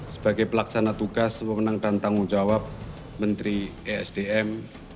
sebagai pelaksana tugas memenangkan tanggung jawab menteri esdm